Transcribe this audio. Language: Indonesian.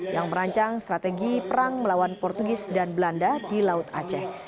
yang merancang strategi perang melawan portugis dan belanda di laut aceh